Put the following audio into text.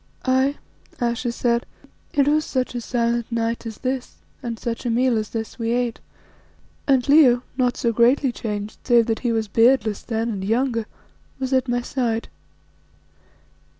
"Aye," Ayesha said, "it was such a silent night as this and such a meal as this we ate, and Leo, not so greatly changed, save that he was beardless then and younger, was at my side.